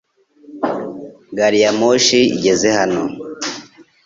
Gari ya moshi igeze hano .